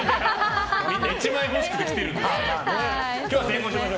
みんな１万円欲しくて来てるんだよ。